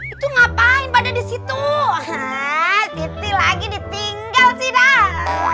itu ngapain pakde disitu titi lagi ditinggal sih dah